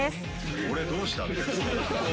俺どうした？